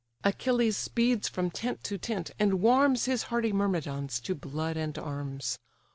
Achilles speeds from tent to tent, and warms His hardy Myrmidons to blood and arms.